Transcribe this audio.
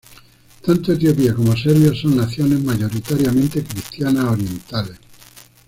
Tanto Etiopía como Serbia son naciones mayoritariamente cristianas orientales.